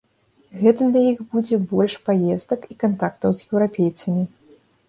Гэта для іх будзе больш паездак і кантактаў з еўрапейцамі.